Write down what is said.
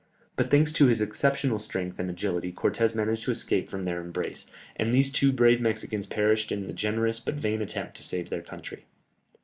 But thanks to his exceptional strength and agility Cortès managed to escape from their embrace, and these two brave Mexicans perished in their generous but vain attempt to save their country.